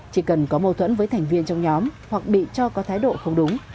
chỉ cần có mâu thuẫn với thành viên trong nhóm hoặc bị cho có thái độ không đúng